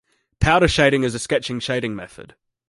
Powder shading is a sketching shading method.